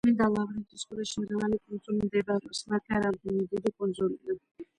წმინდა ლავრენტის ყურეში მრავალი კუნძული მდებარეობს, მათგან რამდენიმე დიდი კუნძულია.